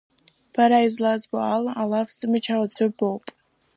Бара, излазбо ала, алаф ззымчҳуа аӡә боуп.